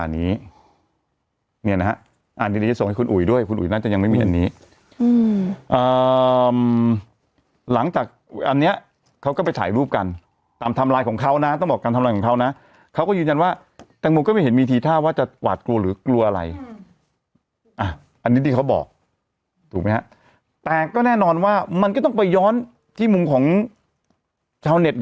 อันนี้เนี่ยนะฮะเดี๋ยวจะส่งให้คุณอุ๋ยด้วยคุณอุ๋ยน่าจะยังไม่มีอันนี้หลังจากอันนี้เขาก็ไปถ่ายรูปกันตามไทม์ไลน์ของเขานะต้องบอกการทำลายของเขานะเขาก็ยืนยันว่าแตงโมก็ไม่เห็นมีทีท่าว่าจะหวาดกลัวหรือกลัวอะไรอ่ะอันนี้ที่เขาบอกถูกไหมฮะแต่ก็แน่นอนว่ามันก็ต้องไปย้อนที่มุมของชาวเน็ต